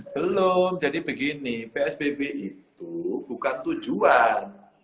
belum jadi begini psbb itu bukan tujuan